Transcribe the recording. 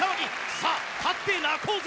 さあ、勝って泣こうぜ！